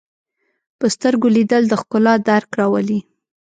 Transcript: په سترګو لیدل د ښکلا درک راولي